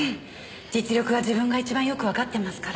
実力は自分が一番よくわかってますから。